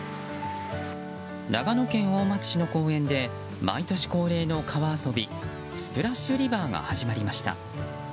長野県大町市の公園で毎年恒例の川遊びスプラッシュ・リバーが始まりました。